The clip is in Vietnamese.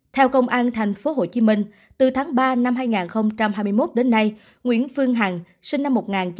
theo công an tp hcm từ tháng ba năm hai nghìn hai mươi một đến nay nguyễn phương hằng sinh năm một nghìn chín trăm tám mươi ba